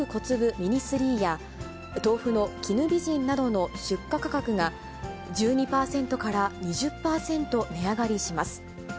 ミニ３や、豆腐の絹美人などの出荷価格が、１２％から２０％値上がりします。